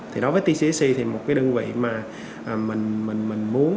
thì đối với tcc thì một cái đơn vị mà mình muốn